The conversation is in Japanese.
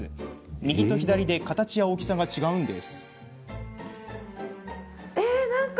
右と左で形や大きさが違うんです。